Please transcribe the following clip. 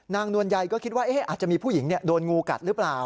นวลใยก็คิดว่าอาจจะมีผู้หญิงโดนงูกัดหรือเปล่า